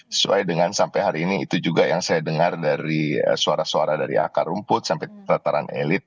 sesuai dengan sampai hari ini itu juga yang saya dengar dari suara suara dari akar rumput sampai tataran elit